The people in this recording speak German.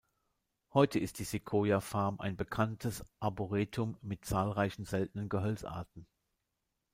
Heute ist die Sequoia-Farm ein bekanntes Arboretum mit zahlreichen seltenen Gehölzarten.